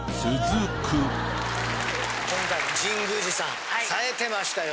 今回も神宮寺さん冴えてましたよ